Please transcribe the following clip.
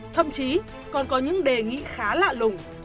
thậm chí còn có những đề nghị khá lạ lùng